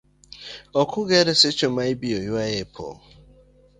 Ok ong’ere seche ma ibiroyawoe pong'